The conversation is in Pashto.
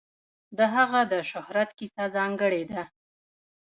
د هغه د شهرت کیسه ځانګړې ده.